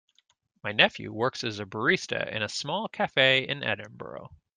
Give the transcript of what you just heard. My nephew works as a barista in a small cafe in Edinburgh.